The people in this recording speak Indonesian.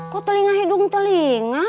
kok telinga hidung telinga